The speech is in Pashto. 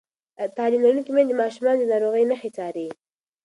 تعلیم لرونکې میندې د ماشومانو د ناروغۍ نښې څاري.